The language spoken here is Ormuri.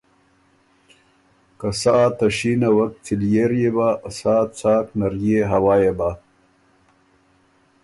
که سا ته شینه وک څِليېر يې بۀ، سا څاک نرئےهوا يې بۀ۔